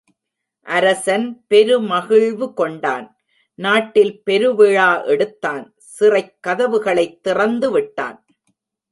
அரசன் பெரு மகிழ்வு கொண்டான். நாட்டில் பெருவிழா எடுத்தான் சிறைக்கதவுகளைத் திறந்து விட்டான்.